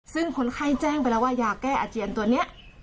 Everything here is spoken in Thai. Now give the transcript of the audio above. ซึ่งคนไข้แจ้งไปแล้วว่ายาแก้อาเจียนตัวนี้